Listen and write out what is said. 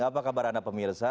apa kabar anak pemirsa